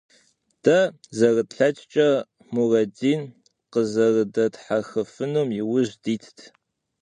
Дэ, зэрытлъэкӀкӀэ, Мурэдин къызэрыдэтхьэхынум иужь дитт.